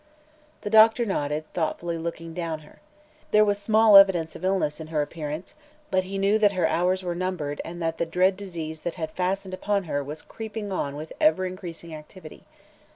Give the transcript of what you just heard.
The doctor nodded, thoughtfully looking down her. There was small evidence of illness in her appearance, but he knew that her hours were numbered and that the dread disease that had fastened upon her was creeping on with ever increasing activity.